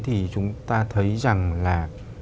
thì chúng ta thấy rằng là